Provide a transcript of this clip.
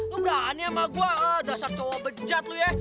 lo berani sama gue dasar cowok bejat lo ya